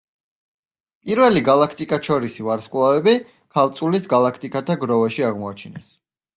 პირველი გალაქტიკათშორისი ვარსკვლავები ქალწულის გალაქტიკათა გროვაში აღმოაჩინეს.